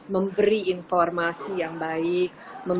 memberi informasi yang baik